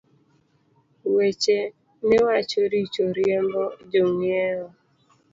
Weche miwacho richo riembo jong’iewo